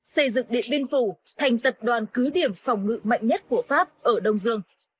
xây dựng điện biên phủ thành tập đoàn cứ điểm phòng ngự mạnh nhất của pháp ở đông dương